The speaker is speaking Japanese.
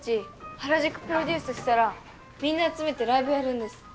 原宿プロデュースしたらみんな集めてライブやるんです。